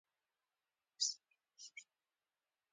په لاسونو کې